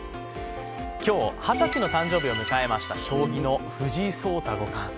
今日二十歳の誕生日を迎えました将棋の藤井聡太五冠。